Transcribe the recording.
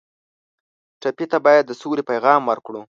ټپي ته باید د سولې پیغام ورکړو.